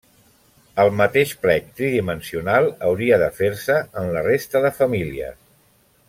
El mateix plec tridimensional hauria de fer-se en la resta de famílies.